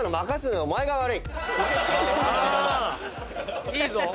「あ！いいぞ。